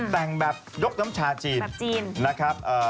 แต่งแบบยกน้ำชาจีนแบบจีนนะครับ